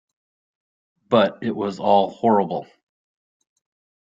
But it was all horrible.